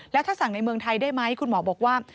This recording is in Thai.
แล้วถ้าสั่งในเมืองไทยได้ไหมคุณหมอบอกว่า